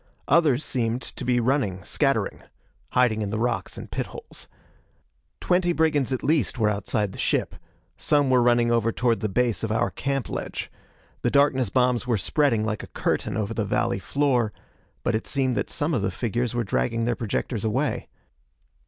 Others seemed, to be running, scattering hiding in the rocks and pit holes. Twenty brigands at least were outside the ship. Some were running over toward the base of our camp ledge. The darkness bombs were spreading like a curtain over the valley floor; but it seemed that some of the figures were dragging their projectors away.